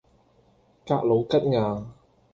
格鲁吉亞